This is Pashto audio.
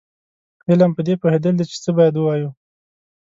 علم پدې پوهېدل دي چې څه باید ووایو.